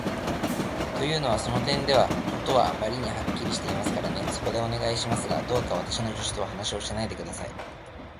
というのは、その点では事はあまりにはっきりしていますからね。そこで、お願いしますが、どうか私の助手とは話をしないで下さい。